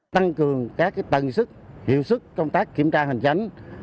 tăng cường các tầng sức hiệu sức công tác kiểm tra hành tránh